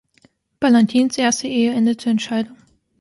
Ballantines erste Ehe endete in Scheidung.